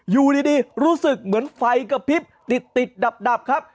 อยู่ดีรู้สึกเหมือนไฟกระพริบติดดับครับ